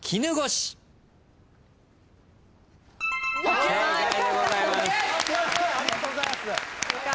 ありがとうございます！